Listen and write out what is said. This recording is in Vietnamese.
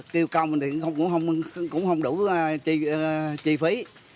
tiêu công thì cũng không đủ chi phí